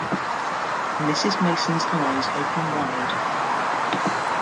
Mrs. Mason's eyes open wide.